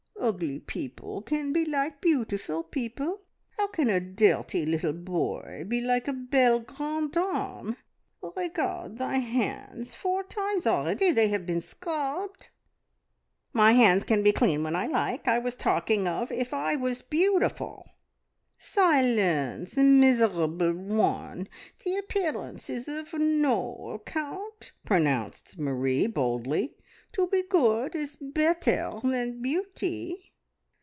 "Ugly people can be like beautiful people. How can a dirty little boy be like a belle grande dame? Regard thy hands! Four times already have they been scrubbed." "My hands can be clean when I like. I was talking of if I was beautiful." "Silence, miserable one! The appearance is of no account," pronounced Marie boldly. "To be good is better than beauty."